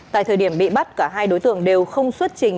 tại thời điểm bị bắt cả hai đối tượng đều không xuất trình